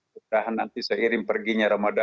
sudah nanti seiring perginya ramadan